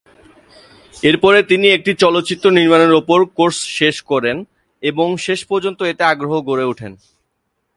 এরপরে তিনি একটি চলচ্চিত্র নির্মাণের উপর কোর্স শেষ করেন এবং শেষ পর্যন্ত এতে আগ্রহ গড়ে উঠেন।